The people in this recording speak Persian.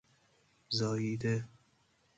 زاییده